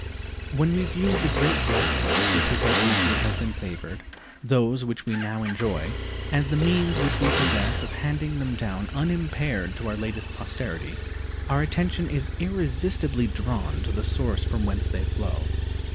When we view the great blessings with which our country has been favored, those which we now enjoy, and the means which we possess of handing them down unimpaired to our latest posterity, our attention is irresistibly drawn to the source from whence they flow.